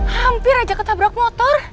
hampir aja ketabrak motor